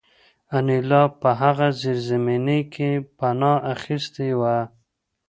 انیلا په هغه زیرزمینۍ کې پناه اخیستې وه